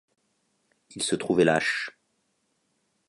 Il se trouvait lâche.